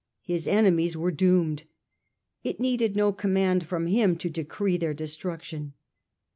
His enemies were doomed. It needed no command from him to decree their destruction.